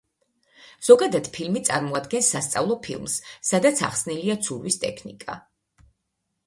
ზოგადად ფილმი წარმოადგენს სასწავლო ფილმს, სადაც ახსნილია ცურვის ტექნიკა.